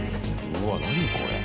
うわ何これ。